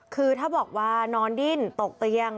คือถ้าบอกว่านอนดิ้นตกเตียง